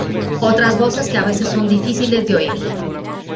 Otras voces que a veces son difíciles de oír.